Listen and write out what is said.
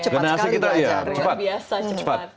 dan mereka cepat sekali belajar